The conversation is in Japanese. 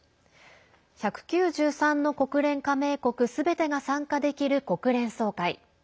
１９３の国連加盟国すべてが参加できる国連総会。